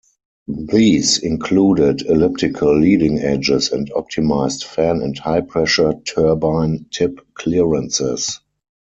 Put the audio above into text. These included elliptical leading edges and optimised fan and high-pressure turbine tip clearances.